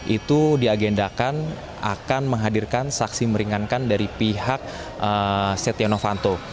itu diagendakan akan menghadirkan saksi meringankan dari pihak setia novanto